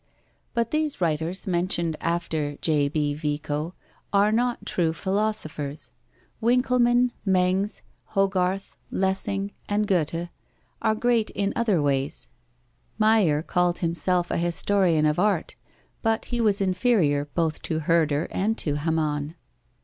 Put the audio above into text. But these writers mentioned after J.B. Vico are not true philosophers. Winckelmann, Mengs, Hogarth, Lessing, and Goethe are great in other ways. Meier called himself a historian of art, but he was inferior both to Herder and to Hamann.